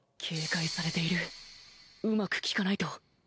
「警戒されているうまく聞かないと」